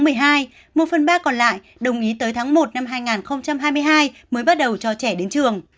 một phần ba còn lại đồng ý tới tháng một năm hai nghìn hai mươi hai mới bắt đầu cho trẻ đến trường